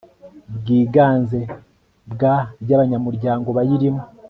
bwiganze bwa by abanyamuryango bayirimo